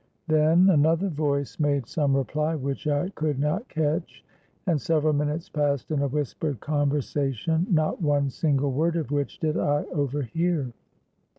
—Then another voice made some reply which I could not catch; and several minutes passed in a whispered conversation, not one single word of which did I overhear.